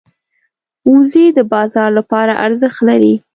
وزې د بازار لپاره ارزښت لري